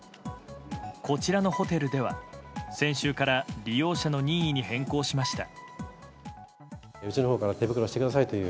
こちらのホテルでは先週から利用者の任意に変更しました。